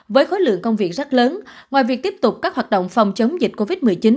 với khối lượng công việc rất lớn ngoài việc tiếp tục các hoạt động phòng chống dịch covid một mươi chín